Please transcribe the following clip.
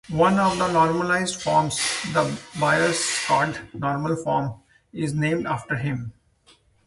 One of the normalised forms, the Boyce-Codd normal form, is named after him.